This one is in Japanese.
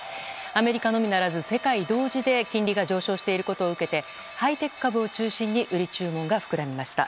アメリカのみならず世界同時で金利が上昇していることを受けてハイテク株を中心に売り注文が膨らみました。